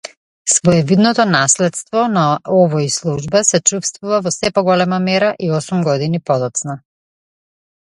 Своевидното наследствона овој служба се чувствува во сѐ поголема мера и осум години подоцна.